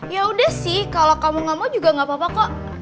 yaudah sih kalo kamu gak mau juga gak apa apa kok